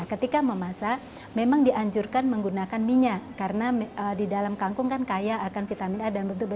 ketika memasak memang dianjurkan menggunakan minyak karena di dalam kangkung kan kaya akan vitamin a dan betul betul